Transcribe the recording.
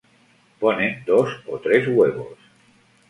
Ponen dos a tres huevos.